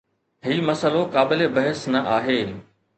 هي مسئلو قابل بحث نه آهي.